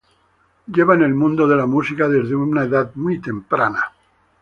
Lleva en el mundo de la música desde una edad muy temprana.